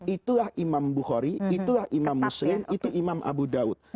itulah imam bukhori itulah imam muslim itu imam abu daud